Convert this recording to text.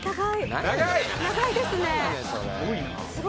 長いですね。